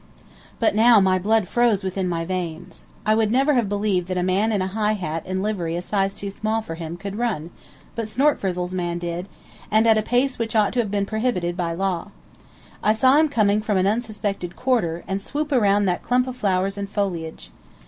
But now my blood froze within my veins. I would never have believed that a man in a high hat and livery a size too small for him could run, but Snortfrizzle's man did, and at a pace which ought to have been prohibited by law. I saw him coming from an unsuspected quarter, and swoop around that clump of flowers and foliage.